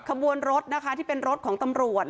ขบวนรถนะคะที่เป็นรถของตำรวจ